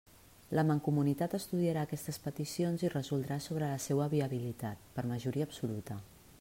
La Mancomunitat estudiarà aquestes peticions i resoldrà sobre la seua viabilitat, per majoria absoluta.